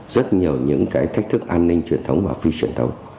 rất nhiều những cái thách thức an ninh truyền thống và phi truyền thống